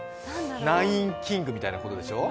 ナインキングみたいなことでしょう？